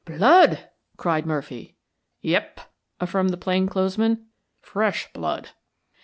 "Blood!" cried Murphy. "Yep," affirmed the plain clothes man. "Fresh blood!"